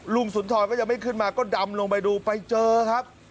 สุนทรก็ยังไม่ขึ้นมาก็ดำลงไปดูไปเจอครับ